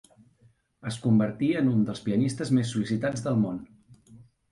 Es convertí en un dels pianistes més sol·licitats del món.